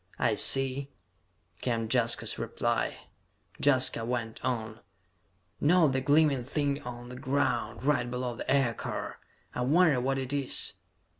"I see," came Jaska's reply. Jaska went on: "Note the gleaming thing on the ground, right below the aircar? I wonder what it is?"